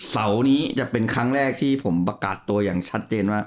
เสาร์นี้จะเป็นครั้งแรกที่ผมประกาศตัวอย่างชัดเจนว่า